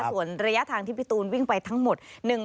ส่วนระยะทางที่พี่ตูนวิ่งไปทั้งหมด